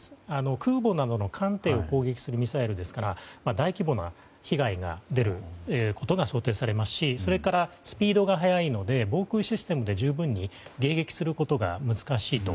空母など艦隊を攻撃するミサイルですから大規模な被害が出ることが想定されますしそれから、スピードが速いので防空システムで迎撃にするのが難しい。